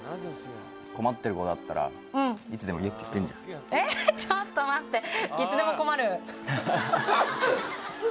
困ってることあったらいつでも言えって言ってんじゃんえっちょっと待っていつでも困るハハハ